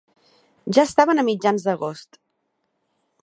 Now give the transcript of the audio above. Ja estaven a mitjans d'agost.